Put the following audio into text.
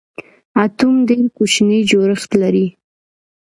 اټوم ډېر کوچنی جوړښت لري.